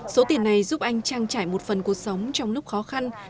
số tiền này giúp anh trang trải một phần cuộc sống trong lúc khó khăn